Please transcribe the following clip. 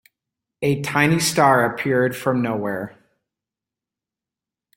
A tiny star appeared from nowhere.